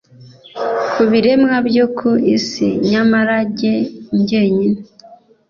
ku biremwa byo ku isi nyamara njye jyenyine